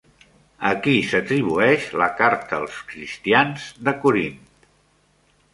A qui s'atribueix la Carta als cristians de Corint?